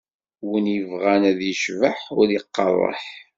Win ibɣan ad icbeḥ, ur iqqaṛ eḥ!